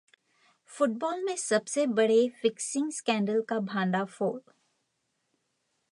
football में सबसे बड़े फिक्सिंग स्कैंडल का भंडाफोड़